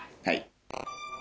はい。